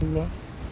bantu orang tua